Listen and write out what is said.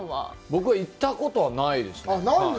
僕は行ったことはないですね。